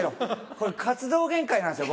これ活動限界なんですよ